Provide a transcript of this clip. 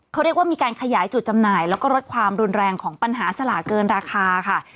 เขาเรียกว่ามีการขยายจุดจำหน่ายแล้วก็ลดความรุนแรงของปัญหาสลากเกินราคาค่ะ